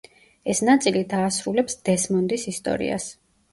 ეს ნაწილი დაასრულებს დესმონდის ისტორიას.